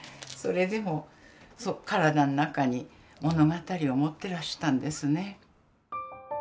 それでも体の中に物語を持ってらしたんですね。